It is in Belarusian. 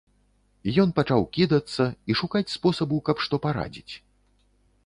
Ён пачаў кідацца і шукаць спосабу, каб што парадзіць.